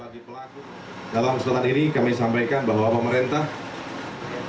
dalam keselamatan ini kami sampaikan bahwa pemerintah